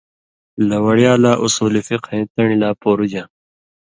لہ وڑیا لا اُصول فِقہَیں تَن٘ڈیۡ لا پورُژاں؛